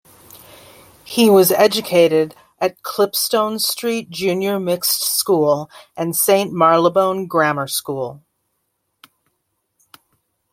He was educated at Clipstone Street Junior Mixed School and Saint Marylebone Grammar School.